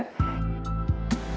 nah kita mulai